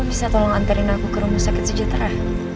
kamu bisa tolong anterin aku ke rumah sakit sejahtera